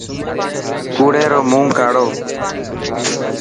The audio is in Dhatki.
ڪوڙي رو مون ڪاڙو.